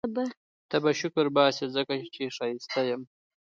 ته به شکرباسې ځکه چي ښایسته یم